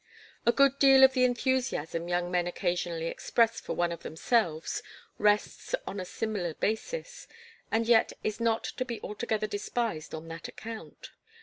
A good deal of the enthusiasm young men occasionally express for one of themselves rests on a similar basis, and yet is not to be altogether despised on that account.